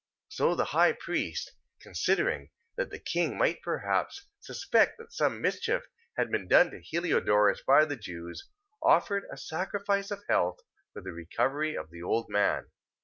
3:32. So the high priest, considering that the king might perhaps suspect that some mischief had been done to Heliodorus by the Jews, offered a sacrifice of health for the recovery of the man. 3:33.